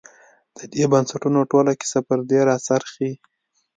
د دې بنسټونو ټوله کیسه پر دې راڅرخي.